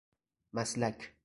مسلک